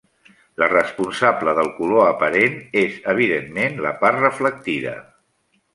La responsable del color aparent és evidentment la part reflectida.